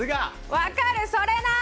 分かる、それなー。